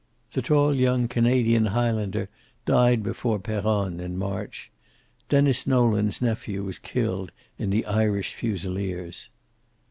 The tall young Canadian Highlander died before Peronne in March. Denis Nolan's nephew was killed in the Irish Fusileers.